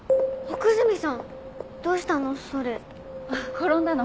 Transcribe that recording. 転んだの。